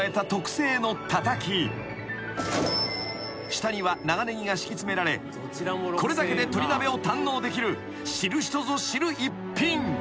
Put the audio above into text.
［下には長ネギが敷き詰められこれだけで鶏鍋を堪能できる知る人ぞ知る一品］